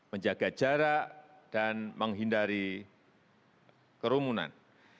menjaga jarak dan menghindari kerumunan